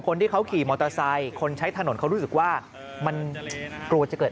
คนที่เขาขี่มอเตอร์ไซค์คนใช้ถนนเขารู้สึกว่ามันกลัวจะเกิด